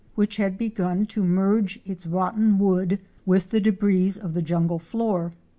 begun to merge its rotten wood with the débris of the jungle floor.